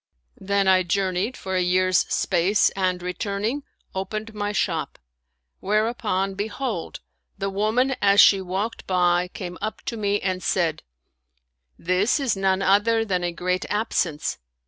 Then I journeyed for a year's space and returning, opened my shop ; whereupon, behold, the woman as she walked by came up to me and said, " This is none other than a great absence."